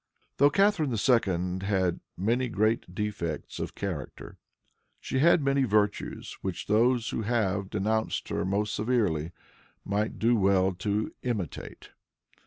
Though Catharine II. had many great defects of character, she had many virtues which those who have denounced her most severely might do well to imitate.